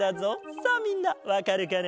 さあみんなわかるかな？